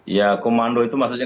ya komando itu maksudnya